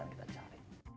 dan kita cari